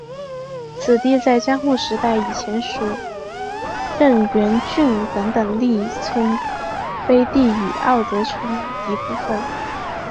此地在江户时代以前属荏原郡等等力村飞地与奥泽村一部分。